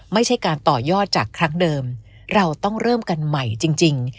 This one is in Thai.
ไม่ใช่การต่อยอดจากครั้งเดิมเราต้องเริ่มกันใหม่จริง